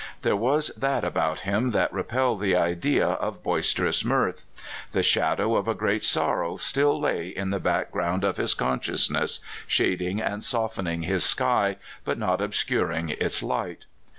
There was that about him that repelled the idea of boisterous mirth. The shadow of a great sorrow still lay in the back ground of his consciousness, shading and soften ing his sky, but not obscuring its light.